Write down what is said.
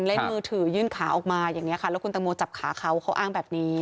เล่นมือถือยื่นขาออกมาอย่างนี้ค่ะแล้วคุณตังโมจับขาเขาเขาอ้างแบบนี้